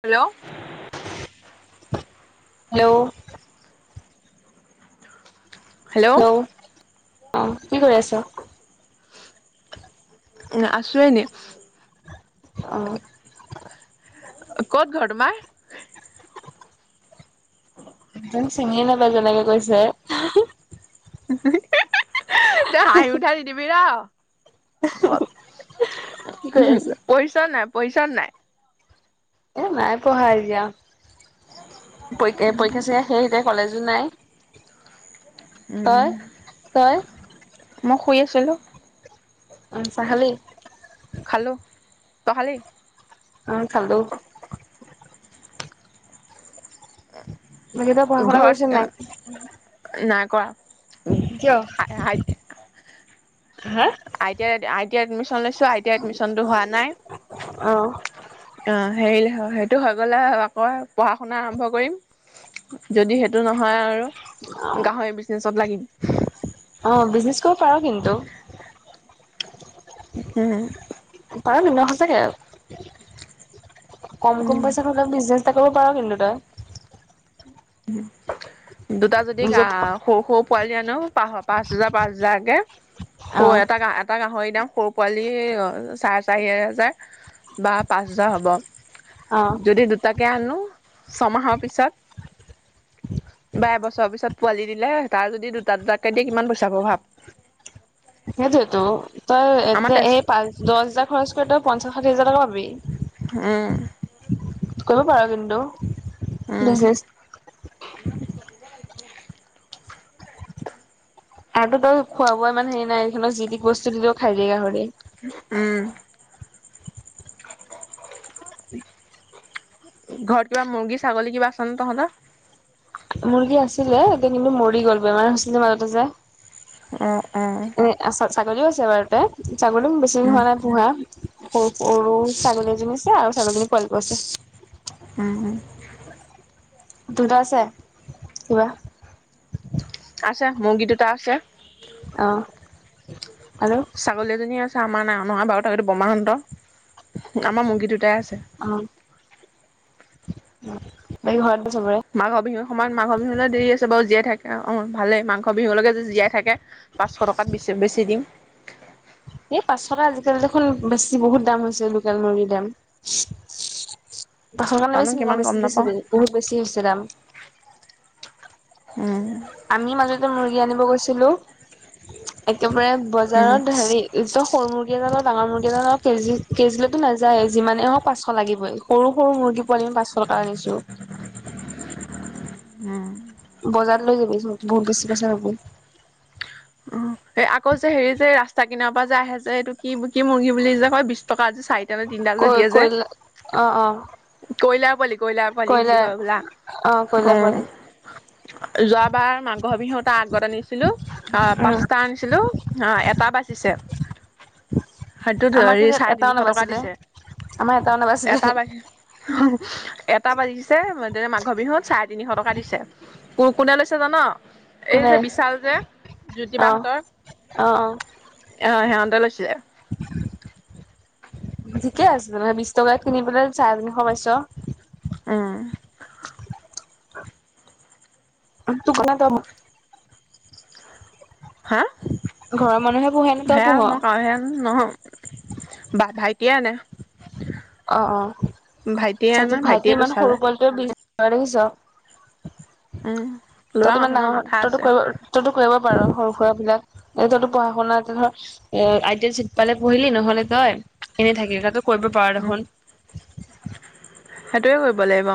Hello. Hello. Hello অ। কি কৰি আছা? উ আছু এনে। অ। ক'ত ঘৰ তোমাৰ? মোক ছিঙিয়ে নাপায় যেনেকে কৈছে। তই হাঁহি উঠাই নিদিবি ৰ'। কি কৰি আছ পঢ়িছোনে নাই, পঢ়িছোনে নাই। এ নাই পঢ়হা [unintelligible] পৰীক্ষা-চৰিক্ষা শেষ এতিয়া কলেজো নাই। উম। তই তই মই শুই আছিলো। অ চাহ খালি? খালো তই খালি? উম খালো। বাকী তই পঢ়া শুনা ঘৰত কৰিছ নাই নাই [unintelligible] কিয় [unintelligible] হা আইতাই-আই টি আইট এমিশন লৈছো আই টি আইত এডমিশনটো হোৱা নাই। অ অ [unintelligible] সেইটো হৈ গ'লে আকৌ পঢ়া-শুনা আৰম্ভ কৰিম। যদি সেইটো নহয় আৰু গাহৰি বিজনেচত লাগিম। অ বিজনেছ কৰিব পাৰো কিন্তু। উম। পাৰ কিন্তু সঁচাকে কম কম উম পইচাত হলেও বিজনেছ কৰিব পাৰো কিন্তু তই। [unintelligible] দুটা যদি নিজৰ সৰু সৰু পোৱালি আনো, পাঁচ হেজাৰ পাঁচ হেজাৰকে সৌ অ এটা গা এটা গাহৰি দাম সৰু পোৱালি চাৰে চাৰি হেজাৰ বা পাঁচ হেজাৰ হ'ব। অ যদি দুটাকে আনো ছমাহৰ পিছত বা এবছৰৰ পিছত পোৱালি দিলে, তাৰ যদি দুটা দুটাকে দিয়ে কিমান পইচা হ'ব ভাৱ। সেইটোয়েতো তই এতিয়া তেজ এই পাঁচ দহ হাজাৰ খৰচ কৰি তই পঞ্চাশ ষাঠি হাজাৰ টকা পাবি। উম। কৰিব পাৰ কিন্তু, উম বিজনে [inaudible] আৰুটো তই খোৱা-বোৱা ইমান হেৰি নাই, ইহঁতক যি-তি বস্তু দিলেও খাই দিয়ে গাহৰিয়ে। উম। [inaudible] ঘৰত কিবা মুৰ্গী ছাগলী কিবা আছে নে তহঁতৰ? মুৰ্গী আছিলে, এতিয়া কিন্তু মৰি গল বেমাৰ হৈছিলে মাজতে যে, অ, অ। এ ছাগলীও আছে বাৰুতে, ছাগলীও বেছি দিন উম হোৱা নাই পোহা। সৰু সৰু ছাগলী এজনী আছে আৰু ছাগলীজনী পোৱালিটো আছে। উম। দুটা আছে। কিবা? আছে মুৰ্গী দুটা আছে, অ। আৰু ছাগলী এজনী আছে, আমাৰ না নহয় বাৰু তাকো বৰমাহঁতৰ। আমাৰ মুৰ্গীটোত দুটাই আছে। অ বাকী ঘৰত চবৰে। মাঘৰ বিহু সময়ত মাঘৰ বিহুলৈ দেৰি আছে বাৰু জীয়াই থাক। অ ভালেই মাংস বিহুলৈকে যদি জীয়াই থাকে পাঁচশ টকাত বেছি দিম। এই পাঁচশ টকাত আজিকালি দেখোন বেছি বহুত দাম হৈছে লোকেল মুৰ্গীৰ দাম। [unintelligible] কাৰণে জানো বেছি কিমান গম বেছি বেছি নাপাওঁ বহুত বেছি হৈছে দাম উম আমি মাজতে মুৰ্গী আনিব গৈছিলো একেবাৰে উম বজাৰত হেৰি একদম সৰু মুৰ্গী এডালৰ ডাঙৰ মুৰ্গী এডালৰ কেজি কেজিলেটো নাজাইয়ে যিমানে আহক পাঁচশ লাগিবই সৰু সৰু মুৰ্গী পোৱালী পাঁচশ টকাত আনিছোঁ। উম, বজাৰত লৈ যাবি বহুত বেছি পইছা পাব উম, আকৌ যে হেৰি যে এই ৰাস্তা কিনাৰ পৰা যে আহে যে এইটো কি কি মুৰ্গী বুলি যে কয় বিশ টকাত চাৰিটা [unintelligible] তিনটা যে কৈ দিয়ে যে কৈলা অ অ কয়লাৰ পোৱালি কয়লাৰ পোৱালি বুলি কয়লাৰ কয় হ'বলা। অ কয়লাৰ অ', পোৱালি োৱাবাৰ মাঘৰ বিহু তাৰ আগত আনিছিলোঁ অ', উম পাঁচটা আনিছিলো অ এটা বাচিছে। সেইটো আমাৰ হেৰি কিন্তু চাৰে এটাও তিনিশ টকা নাবাছিলে দিছে আমাৰ এটাও নাবাছিলে এটা পাই এটা বাজিছে মাঘৰ বিহুত চাৰে তিনিশ টকা দিছে কো কোনে লৈছে জান? এই কোনে যে বিশাল যে, জ্যোতি অ বাহঁতৰ অ অ অ সেৱন্তে লৈছিলে ঠিকে আছে তেনেহলে বিশ টকাত কিনি পেলাই চাৰে তিনিশ পাইছ। উম, [unintelligible] হা ঘৰৰ মানুহে পোহে নে তই সেয়া পোহ মই কও হে নহয় বা ভাইটিয়েনে অ', ত আনে ভাইটি ভাইটিয়ে ইমান পইচা সৰু লয়। পোৱালটে দেখিছ উম ল'ৰা তইত ইমান মানুহ ন ডাঙৰ মাথা তইো আছে কৰিব তইো কৰিব পাৰ সৰু সুৰা বিলাক এ তইতো পঢ়া শুনা এ ধৰ এ আইটিল চিট পালে পঢ়িলি নহ'লে তই এনেই থাকিল ক তই কৰিব পাৰ ন উম, সেইটোৱে কৰিব লাগিব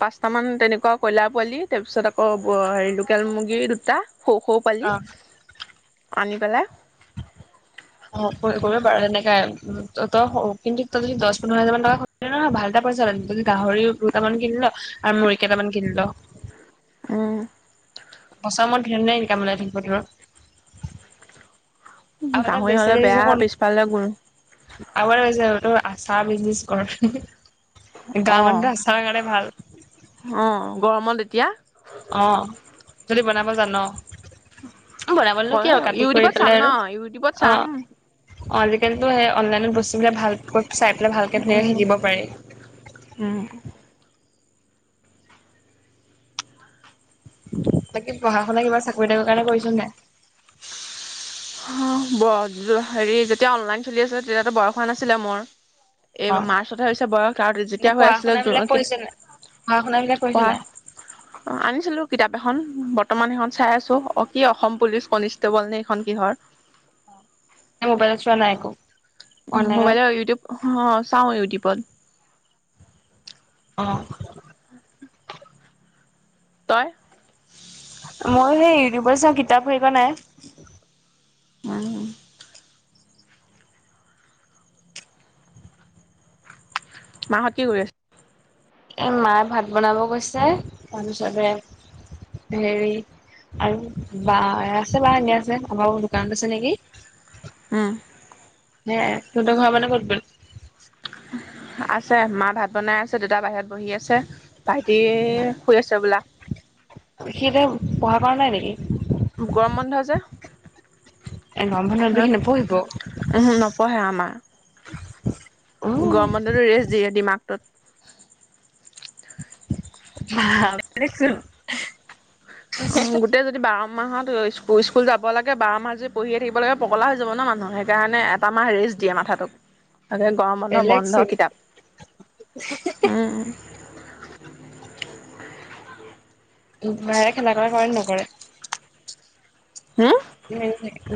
পাঁচটামান তেনেকুৱা কয়লাৰ পোৱালি তাৰপিছত আকৌ হেৰি লোকেল মুৰ্গী দুটা স সৰু পালি অ আনি পেলাই অ', ৰিব পাৰো তেনেকাই উ তই কিন্তু তই যদি দহ পোন্ধৰ হাজাৰ মান টকা নয় ভাল এটা পইচাদি গাহৰিও দুটামান কিন ল আৰু মুৰি়ী কেইটামান কিনিল উম, বচা মত ধনেৰে ইনকামলাই থাকিব ধ ৰ আগতে গাহৰি হ'লে বেচাৰিছো বেয়া পিছফালে গুণ ক আগাৰ বে আচা বিজনেজ কৰা অ গামন চ ব কাৰানে ভাল অ', গৰমত এতিয়া অ', দি বনাব জানা বনাব নো কি পৰে আৰু কাটি কৰি ইউটিউবত চাম পেলাই ন আৰু ইউটিউবত অ চাম। অ আজিকালিো সেই অনলাইনত ভালকৈ চাই পেলাই ভালকে ধুনীয়াকৈ উম, শিকিব পাৰি তাক পঢ়া শুনা কিবা চাকৰি তাকৰ কাৰণে কৰিছো নে? হেৰি যেতিয়া অনলাইন খেলি আছিল তেতিয়াতো বয়স হোৱা নাছিলে মোৰ এই অ', মাৰ্চতে হৈছে বয়স আৰু এনে যেতিয়া হৈ পঢ়া আছিলে শুনা বিলাক কৰিছে নাই? পঢ়া শুনা বিলাক জ কৰিছে নাই পঢ়া অ আনিছিলো কিতাপ এখন বৰ্তমান সেইখন চাই আছো অ কি অসম পুলিচ কনিষ্টেবল নে সখন কি ধৰ ন মোবাইলচৰা নাইকো উ মোবাইলৰ ইউটিউব অ চাওঁ ইউটিউবত অ', তই। মই সেই ইউটিউবৰ চাওঁ কিতাপ হেৰী কৰা নাই। [unintelligible] মাহঁত কি কৰি আছে? এ মায়ে ভাত বনাব গৈছে, তাৰপিছতে হেৰি আৰু বা আছে বা এনে আছে আপোনালোকৰ দোকানত আছে নেকি? উম। হে তহঁতৰ ঘৰৰ মানুহ ক'ত গল? আছে মা ভাত বনাই আছে, দেউতা বাহিৰত বহি আছে ভাইটি শুই আছে হবলা। সি এতিয়া পঢ়া কৰা নাই নেকি? গৰমবন্ধ যে। এনভাইৰনমেণ্ট সি নপঢ়িব [unintelligible] উহো, নপঢ়ে আমাৰ। উম গৰমবন্ধতো ৰেষ্ট দিয়ে দিমাকটোত। [unintelligible] অ', গোটেই যদি বা মাহত স্কু-স্কুল যাব লাগে বাৰমাহ যে পঢ়িয়ে থাকিবা লাগে পগলা হৈ যাব ন মানুহ সেইকাৰণে এটা মাহ ৰেষ্ট দিয়ে মাথা তোক। গৰমবন্ধ বন্ধ বেলেগচোন কিতাপ। উম। [unintelligible] খেলা কৰা কৰেণ নকৰে? হম?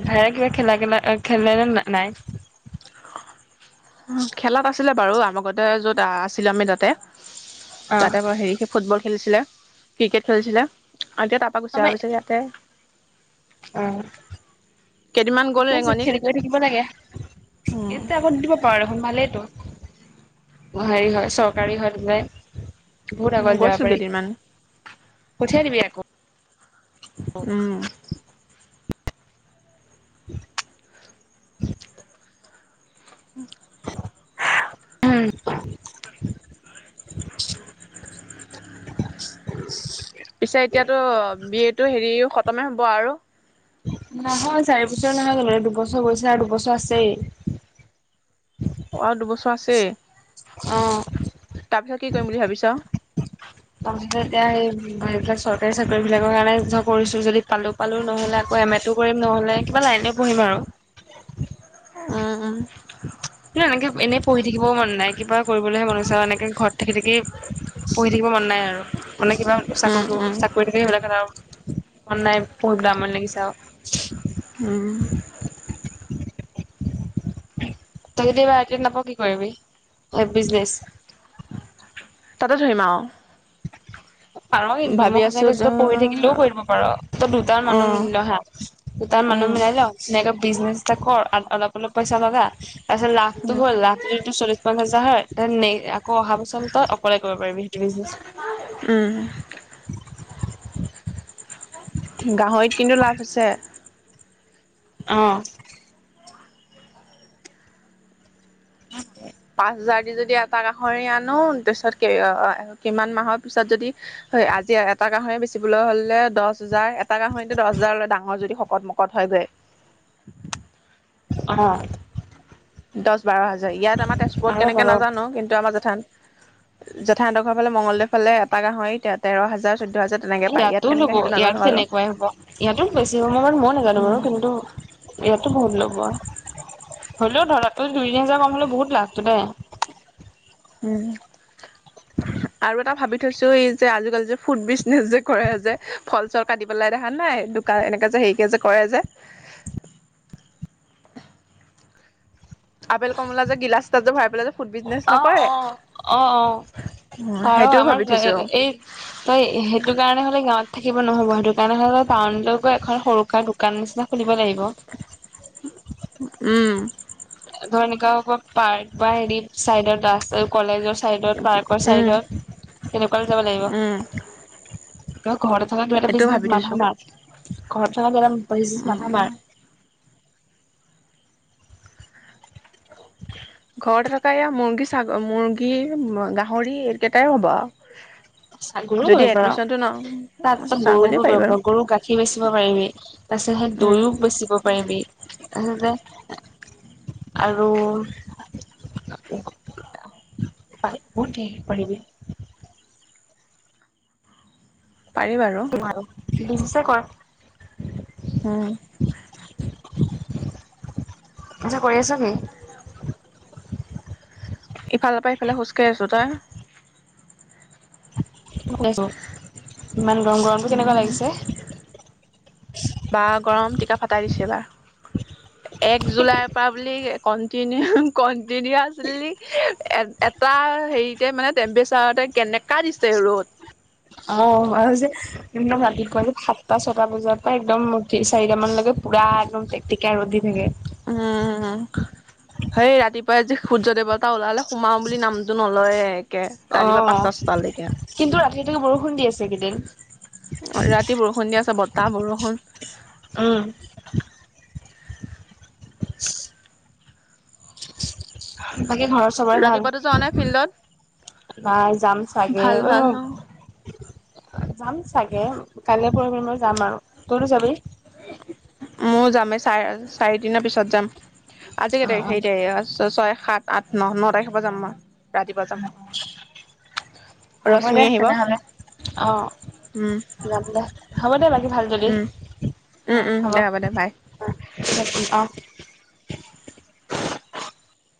ভায়েৰে কিবা খেলা খেললে ন নাই খেলাত আছিলে বাৰু আমাৰগতে য'ত আছিলো আমি তাতে অ তাতে পৰা হেৰি ফুটবল খেলিছিলে, ক্ৰিকেট খেলিছিলে। আৰু এতিয়া তাৰপা গুচি গৈছে ইয়াতে উম। কেইদিনমান গ'ল ঠিকে আছে ৰেঙনিত খেল কৰি থাকিব লাগে, উম, এতিয়া আকৌ দিব পাৰা দেখোন ভালেইটো। হেৰি হয় চৰকাৰী হয় বোলে। বহুত আগলৈ যাব গৈছিল পাৰি, কেইদিনমান পঠিয়াই দিবি আকৌ। উম। [inaudible] [inaudible] [unintelligible] পিছে এতিয়াতো বি এ টো হেৰিও খতমে হ'ব আৰু। নহয় চাৰি বছৰ নহয় জ দুবছৰ গৈছে আৰু দুবছৰ আছেই। অ', আৰু দুবছৰ আছেই। অ'। তাৰপিছত কি কৰিম বুলি ভাবিছ? এতিয়া সেই এইবিলাক চৰকাৰী চাকৰি বিলাকৰ কাৰণে কৰিছো যদি পালো পালো নহ'লে আকৌ এম এ টো নহলে কিবা লাইনে পঢ়িম আৰু। উম, উম। কিন্তু এনেকে এনেই পঢ়ি থাকিবও মন নাই কিবা কৰিবলৈহে মন হৈছে আৰু এনেকে ঘৰত থাকি থাকি পঢ়ি থাকিব মন নাই আৰু, মানে কিবা চাকৰি উম উম ক-চাকৰি থাকিলে বেলেগ কথা আৰু। মন নাই পঢ়িবলৈ আমনি লাগিছে আৰু। উম। তই যদি এইবাৰ আই টি আইত নাপাৱ কি কৰিবি? M B B S. তাতে ধৰিম আৰু। পাৰ কিন্তু মই সঁচাক কৈছ তই পঢ়ি থাকিলেও কৰিব পাৰ, তই দুটা মান মানুহ উম মিলি ল হা তা মানুহ উম মিলাই ল ধুনীয়াকে বিজনেচ এটা কৰ, আৰু অলপ অলপ পইচা লগা, তাৰপছত লাভটো উম হল লাভতো যদি চল্লিশ পঞ্চাছ হাজ [unintelligible] আকৌ অহা বছৰলে তই অকলে কৰিব পাৰিবি সেইটো বিজনে উম। [inaudible] গাহৰীত কিন্তু লাভ আছে। অহ। [inaudible] পাঁচ হাজাৰ দি যদি এটা গাহৰি আনো, তাৰপিছত কিমান মাহৰ পিছত যদি হয়। আজি এটা গাহৰি বেচিবলৈ হ'লে দহ হাজাৰ এটা গাহৰিটো দহ হাজাৰলে ডাঙৰ যদি শকত-মকত হয়। [inaudible] অ। দশ বাৰ হাজাৰ। ইয়াত আমাৰ তেজপুৰত পাৰ কেনেকে পাৰ নাজানো, কিন্তু আমাৰ জেঠ জেঠাহতৰ ঘৰৰ ফালে মঙ্গলদৈ ফালে এটা গাহৰি তেৰ হাজাৰ চৈধ্য হাজাৰ তেনেকে পায় ইয়াত ইয়াতো কেনেকে লব সেইটো ইয়াত নাজানো বাৰু তেনেকুৱাই হ'ব। ইয়াতো বেছি হব মই বাৰু মই নোজানো বাৰু উম, কিন্তু ইয়াতো বহুত ল'ব। হ'লিও ধৰা দুই তিনি হাজাৰ কম হ'লেও বহুত লাভটো দে। উম আৰু এটা ভাবি থৈছো। এই যে আজিকালি যে ফুড বিজনেচ যে কৰে যে ফল-চল কাটি পেলাই, দেখা নাই দোকান এনেকে যে হেৰিকে যে কৰে যে আপেল কমলা যে গিলাচ তাত যে ভৰাই পেলাই যে ফুড বিজনেচ নকৰে অহ অ-অ-অ। আৰু সেইটোও ভাবি আমাৰ থৈছো এই তই সেইটো কাৰণে হ'লে গাঁৱত থাকিব নহ'ব সেইটো কাৰণে হ'লে টাউনলৈ গৈ এখন সৰুকৰ দোকান নিচিনা খুলিব লাগিব। উম। ধৰ এনিকা পাৰ্ক বা হেৰি চাইডত আছে কলেজৰ চাইডত, পাৰ্কৰ উম, চাইডত তেনেকুৱৈ যাব উম, লাগিব। ত ঘৰতে থকা কিবা এটা সেইটোও বিজনেছ ভাবি থৈছো মাথা মাৰ, ঘৰত থকা কিবা এটা বিজনেছ মাথা উম, মাৰ। [inaudible] ঘৰতে থকা এয়া মুৰ্গী, ছাগ- মুৰ্গী, গাহৰি এইকেইটাই হ'ব আৰু। ছাগলো যদি কৰিব পাৰ। এডমিশ্যনটো ন তাত ছাগলীও পাৰি বাৰু গৰু-গৰু গাখীৰ বেচিব পাৰিবি, তাৰ পিছত সেই উম, গৰু বেচিব পাৰিবি। [unintelligible] আৰু [unintelligible] পাৰিবা আৰু। বিজনেছে কৰ। হম। আচ্চা কৰি আছো কি? ইফালৰ পৰা ইফালে খোজকাঢ়ি আছোঁ। তই? [unintelligible] ইমান গৰম গৰমটো কেনেকুৱা লাগিছে? বা গৰম টিকা ফটাই দিছে এইবাৰ। এক জুলাইৰ পৰা বুলি কন্টিনিউ ক দি-দিয়া আছিলি নেকি। এ-এটা হেৰিতে মানে টেম্পৰেচাৰতে কেনে অ আৰু যে একদম ৰাতিপুৱা যে সাতটা ছটা বজাৰ পৰা একদমি চাৰিটা মানলৈকে পুৰা একদম প্ৰেকটিকা ৰ'দদি থাকে। উম সেই ৰাতিপুৱাই আজি সূৰ্য দেৱতা ওলালে সুমাও বুলি নামটো নলয়ে। একে অ ৰাতিপুৱা পাঁচটা ছটালৈকে কিন্তু ৰাতি ত বৰষুণ দি আছে কেইদিন। অ ৰাতি বৰষুণ দিয়া আছে বতাহ বৰষুণ উম। [inaudible] বাকী ঘৰত চবৰে ভাল? ৰাতিপুৱাতো যোৱা নাই ফিল্ডত নাই যাম চাগে, ভাল ভাল অ উ। যাম চাগে কাইলৈ পৰোখি মই যাম আৰু। তইতো যাবি? ময় যামেই চাৰ-চাৰি দিনৰ পিছত যাম। আজি কেই অ' অ' তাৰিখে সেতি ছয় সাত আঠ ন ন তাৰিখৰ পৰা যাম মই ৰাতিপুৱা যাাম- হ'ব দে তেনেহলে অ উম যাম দে হ'ব দে বাকী ভাল যদি উম উম উম হ'ব দে দে বাই নাটিবা